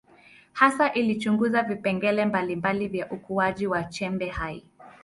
Hasa alichunguza vipengele mbalimbali vya ukuaji wa chembe hai.